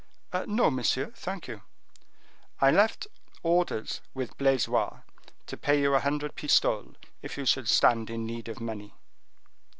"No, monsieur, thank you." "I left orders with Blaisois to pay you a hundred pistoles, if you should stand in need of money."